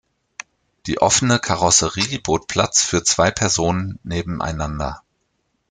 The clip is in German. Die offene Karosserie bot Platz für zwei Personen nebeneinander.